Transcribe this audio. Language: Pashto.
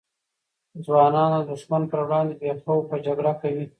ځوانان د دښمن پر وړاندې بې خوف جګړه کوي.